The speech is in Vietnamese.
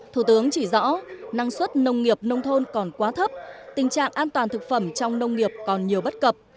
thủ tướng chỉ rõ năng suất nông nghiệp nông thôn còn quá thấp tình trạng an toàn thực phẩm trong nông nghiệp còn nhiều bất cập